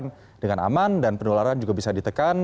ini bisa ditekan aman dan penularan juga bisa ditekan